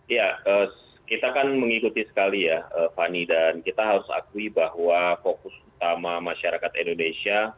ya kita kan mengikuti sekali ya fani dan kita harus akui bahwa fokus utama masyarakat indonesia